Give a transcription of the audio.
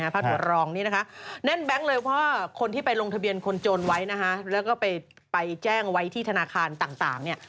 เพราะว่าคนที่ไปลงทะเบียนคนโจรไว้นะฮะแล้วก็ไปแจ้งไว้ที่ธนาคารต่างเนี่ย